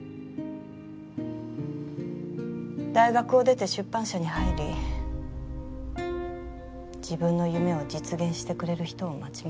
大学を出て出版社に入り自分の夢を実現してくれる人を待ちました。